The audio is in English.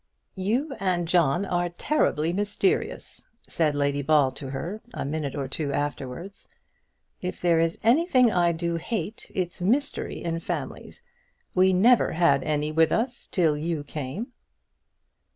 "You and John are terribly mysterious," said Lady Ball to her, a minute or two afterwards. "If there is anything I do hate it's mystery in families. We never had any with us till you came."